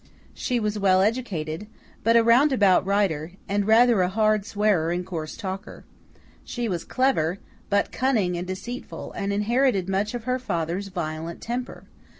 She was well educated, but a roundabout writer, and rather a hard swearer and coarse talker. She was clever, but cunning and deceitful, and inherited much of her father's violent temper.